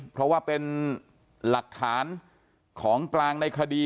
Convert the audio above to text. เพราะว่าเป็นหลักฐานของกลางในคดี